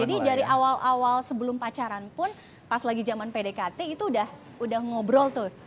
jadi dari awal awal sebelum pacaran pun pas lagi zaman pdkt itu udah ngobrol tuh